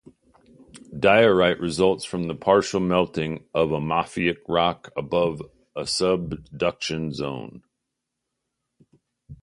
Diorite results from the partial melting of a mafic rock above a subduction zone.